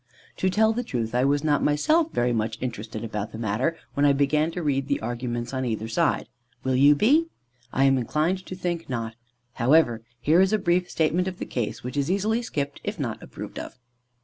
To tell the truth, I was not myself very much interested about the matter when I began to read the arguments on either side. Will you be? I am inclined to think not. However, here is a brief statement of the case, which is easily skipped if not approved of.